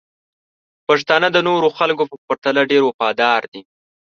پښتانه د نورو خلکو په پرتله ډیر وفادار دي.